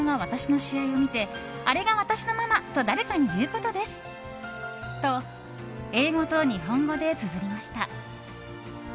と、英語と日本語でつづりました。